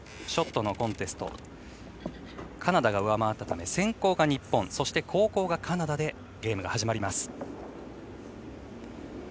ショットのコンテストをカナダが上回ったため先攻が日本後攻がカナダでゲームが始まります。